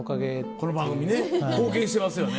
この番組ね貢献してますよね？